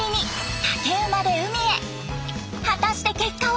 果たして結果は。